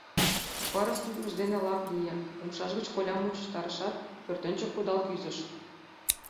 Пырыс лӱдмыж дене лап лие, умшаж гыч колям мучыштарышат, пӧртӧнчык кудал кӱзыш.